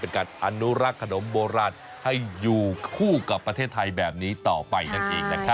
การอนุรักษ์ขนมโบราณให้อยู่คู่กับประเทศไทยแบบนี้ต่อไปนั่นเองนะครับ